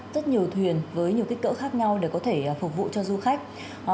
rất nhiều thuyền với nhiều kích cỡ khác nhau để có thể phục vụ cho du khách